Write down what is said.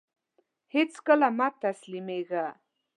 هيڅکله مه تسلميږه !